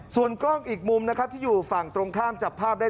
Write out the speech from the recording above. ส่วนกล้องอีกมุมนะครับที่อยู่ฝั่งตรงข้ามจับภาพได้